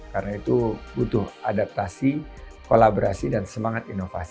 karena itu butuh adaptasi kolaborasi dan semangat